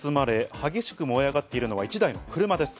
炎に包まれ、激しく燃え上がっているのは１台の車です。